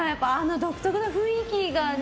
独特な雰囲気がね。